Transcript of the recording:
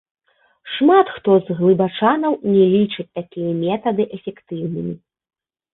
Шмат хто з глыбачанаў не лічаць такія метады эфектыўнымі.